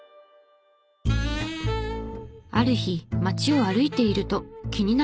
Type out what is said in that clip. ある日街を歩いていると気になる建物が。